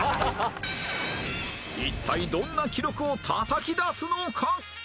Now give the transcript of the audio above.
一体どんな記録をたたき出すのか？